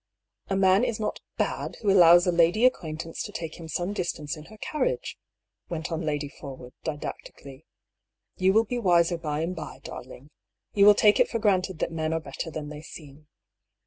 " A man is not bad who allows a lady acquaintance to take him some distance in her carriage," went on Lady Porwood, didactically. "You will be wiser by and by, darling. You will take it for granted that men are better than they seem."